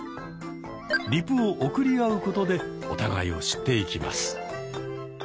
リプを送り合うことでお互いを知っていきます。